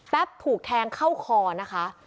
ถูกแทงเข้าคอนะคะ